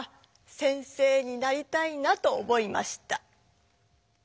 先生になりたいな」と思いました。